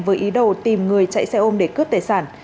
với ý đồ tìm người chạy xe ôm để cướp tài sản